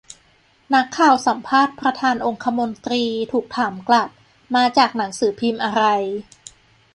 นักข่าวสัมภาษณ์ประธานองคมนตรี ถูกถามกลับ มาจากหนังสือพิมพ์อะไร